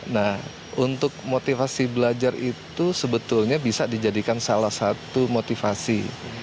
nah untuk motivasi belajar itu sebetulnya bisa dijadikan salah satu motivasi